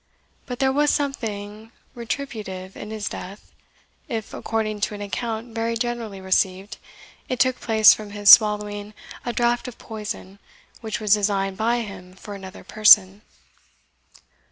But there was something retributive in his death, if, according to an account very generally received, it took place from his swallowing a draught of poison which was designed by him for another person.